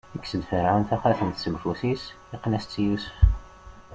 Ikkes-d Ferɛun taxatemt seg ufus-is, iqqen-as-tt i Yusef.